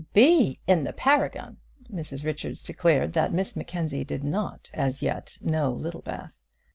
"B in the Paragon!" Mrs Richards declared that Miss Mackenzie did not as yet know Littlebath.